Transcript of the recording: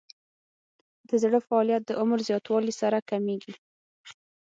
د زړه فعالیت د عمر له زیاتوالي سره کمیږي.